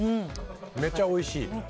めちゃおいしい。